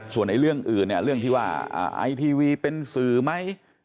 ส่วนเรื่องอื่นเนี่ยเรื่องที่ว่าไอทีวีเป็นสื่อไหม